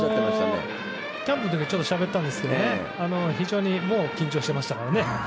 キャンプの時にしゃべったんですけど非常に緊張していましたからね。